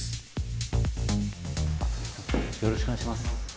よろしくお願いします。